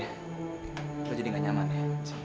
kita jadi gak nyaman ya